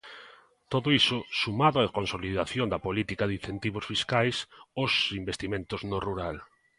Todo iso sumado á consolidación da política de incentivos fiscais aos investimentos no rural.